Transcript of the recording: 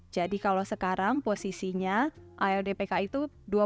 jadi kalau sekarang posisinya aldpk itu dua puluh enam tujuh puluh tiga